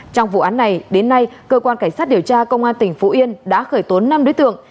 trong vụ án này đến nay cơ quan cảnh sát điều tra công an tỉnh phú yên đã khởi tố năm đối tượng